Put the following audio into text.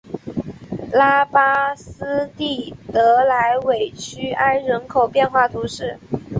拉巴斯蒂德莱韦屈埃人口变化图示